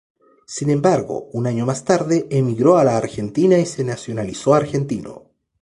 Sin embargo, un año más tarde emigró a la Argentina y se nacionalizó argentino.